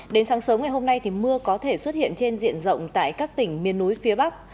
đến sáng sớm ngày hôm nay thì mưa có thể xuất hiện trên diện rộng tại các tỉnh miền núi phía bắc